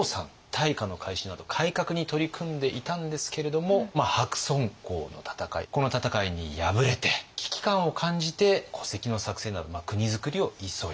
大化の改新など改革に取り組んでいたんですけれども白村江の戦いこの戦いに敗れて危機感を感じて戸籍の作成など国づくりを急いだ。